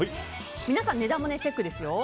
皆さん、値段もチェックですよ。